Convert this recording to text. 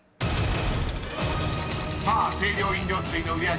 ［さあ清涼飲料水の売り上げ種類別］